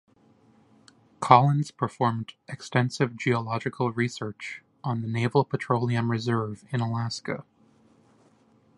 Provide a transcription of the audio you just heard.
Collins performed extensive geological research on the Naval Petroleum Reserve in Alaska.